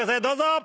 どうぞ！